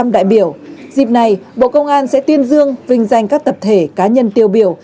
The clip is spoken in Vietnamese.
một trăm linh đại biểu dịp này bộ công an sẽ tuyên dương vinh danh các tập thể cá nhân tiêu biểu